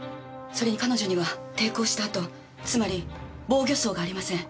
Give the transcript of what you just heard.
それに彼女には抵抗した痕つまり防御創がありません。